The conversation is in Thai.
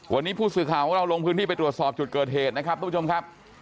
วันนี้ผู้สื่อข่าวของเราลงพื้นที่ไปตรวจสอบจุดเกิดเหตุนะครับทุกผู้ชมครับ